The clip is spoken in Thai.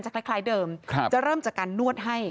คล้ายเดิมจะเริ่มจากการนวดให้